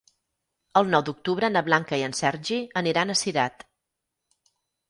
El nou d'octubre na Blanca i en Sergi aniran a Cirat.